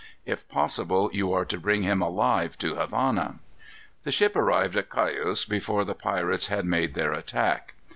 If possible, you are to bring him alive to Havana." The ship arrived at Cayos before the pirates had made their attack.